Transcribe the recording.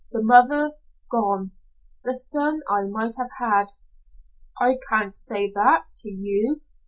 The mother gone The son I might have had." "I can't say that to you.